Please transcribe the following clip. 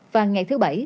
và ngày thứ bảy